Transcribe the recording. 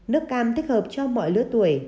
nước cam thích hợp cho mọi lứa tuổi